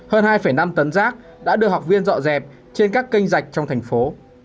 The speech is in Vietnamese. hơn hai năm tấn rác đã được học viên dọ dẹp trên các kênh dạch trong thành phố